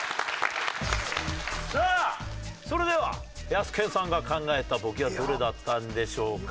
さあそれではヤスケンさんが考えたボケはどれだったんでしょうか？